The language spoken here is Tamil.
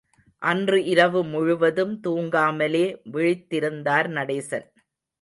அன்று இரவு முழுதும் துங்காமலே விழித்திருந்தார் நடேசன்.